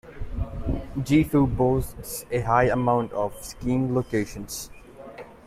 Gifu boasts a high amount of skiing locations.